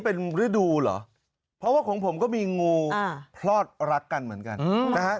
เป็นฤดูเหรอเพราะว่าของผมก็มีงูพลอดรักกันเหมือนกันนะฮะ